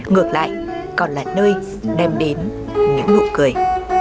ngược lại còn là nơi đem đến những nụ cười